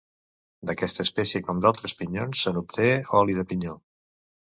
D'aquesta espècie, com d'altres pinyons, se n'obté oli de pinyó.